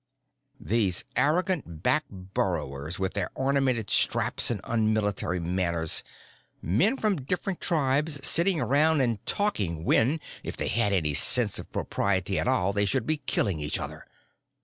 "These arrogant back burrowers with their ornamented straps and unmilitary manners! Men from different tribes sitting around and talking, when if they had any sense of propriety at all they should be killing each other!"